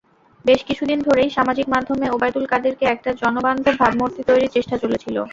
বেশ কিছুদিন ধরেই সামাজিক মাধ্যমে ওবায়দুল কাদেরের একটা জনবান্ধব ভাবমূর্তি তৈরির চেষ্টা চলেছিল।